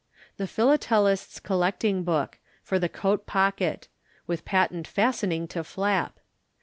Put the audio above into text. THE PHILATELIST'S COLLECTING BOOK. FOR THE COAT POCKET. With Patent Fastening to Flap.